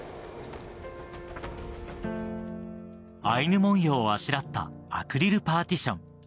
アイヌ文様をあしらったアクリルパーティション。